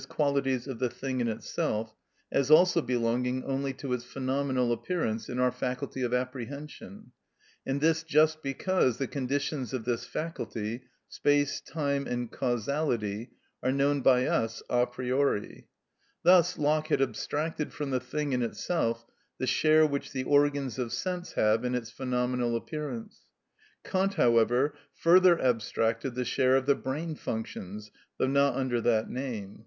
_, qualities of the thing in itself, as also belonging only to its phenomenal appearance in our faculty of apprehension, and this just because the conditions of this faculty, space, time, and causality, are known by us a priori. Thus Locke had abstracted from the thing in itself the share which the organs of sense have in its phenomenal appearance; Kant, however, further abstracted the share of the brain functions (though not under that name).